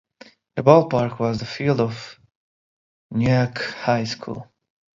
The ballpark was the field for Nyack High School.